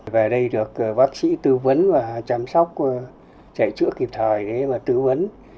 về đây được bác sĩ tư vấn và chăm sóc chạy chữa kịp thời tư vấn